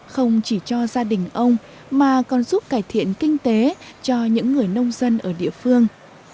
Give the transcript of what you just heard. không chỉ cho gia đình ông mà còn giúp cải thiện kinh tế cho những người nông dân ở địa phương